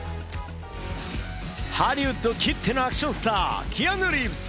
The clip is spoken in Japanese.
ハリウッドきってのアクションスター、キアヌ・リーブス。